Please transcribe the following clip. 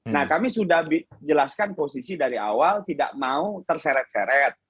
nah kami sudah jelaskan posisi dari awal tidak mau terseret seret